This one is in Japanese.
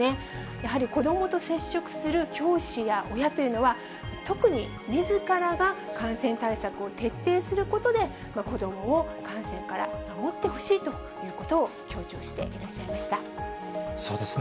やはり子どもと接触する教師や親というのは、特にみずからが感染対策を徹底することで、子どもを感染から守ってほしいということを強調していらっしゃいそうですね。